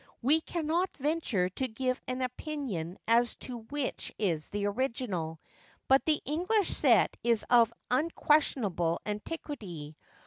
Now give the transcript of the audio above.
We cannot venture to give an opinion as to which is the original; but the English set is of unquestionable antiquity.